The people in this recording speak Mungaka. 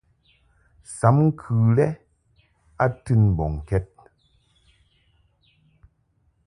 Sam ŋkɨ lɛ a tɨn mbɔŋkɛd.